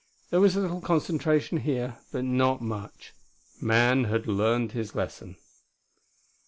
There was a little concentration here, but not much. Man had learned his lesson.